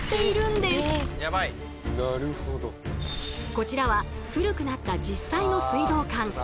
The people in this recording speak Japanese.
こちらは古くなった実際の水道管。